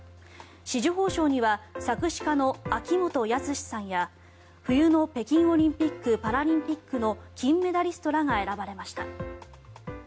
紫綬褒章には作詞家の秋元康さんや冬の北京オリンピック・パラリンピックの金メダリストらが選ばれました。